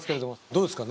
どうですか？